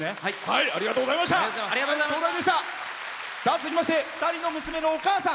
続きまして２人の娘のお母さん。